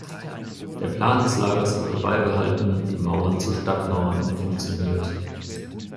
Der Plan des Lagers wurde beibehalten, die Mauern zu Stadtmauern umfunktioniert.